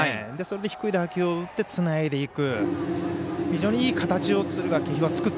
低い打球を打ってつないでいく。